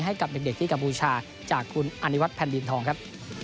ให้กับเด็กที่กัมพูชาจากคุณอนิวัฒนแผ่นดินทองครับ